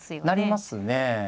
なりますね。